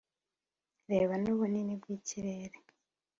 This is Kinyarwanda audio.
reba! nubunini bwikirere,